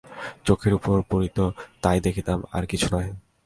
চোখের উপর পড়িত তাই দেখিতাম, আর কিছুই নহে।